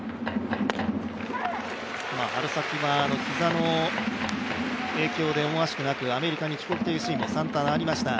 春先は膝の影響で思わしくなくアメリカに帰国というシーンもサンタナはありました。